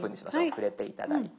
触れて頂いて。